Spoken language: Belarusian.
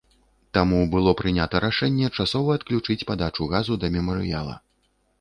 Таму было прынята рашэнне часова адключыць падачу газу да мемарыяла.